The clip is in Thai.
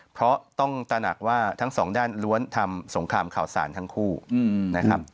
เพราะต้องตระหนักว่าทั้งสองด้านล้วนทำสงครามข่าวสารทั้งคู่นะครับ